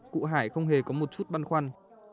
cụ hải không hề có một chút băn khoăn